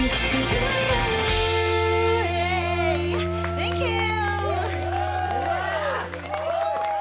センキュー！